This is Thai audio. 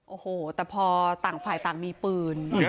โอ้โหแต่พอต่างฝ่ายต่างมีปืน